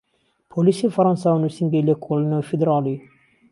پۆلیسی فەرەنسا و نوسینگەی لێکۆڵینەوەی فیدراڵی